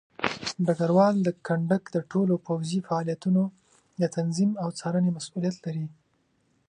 ډګروال د کندک د ټولو پوځي فعالیتونو د تنظیم او څارنې مسوولیت لري.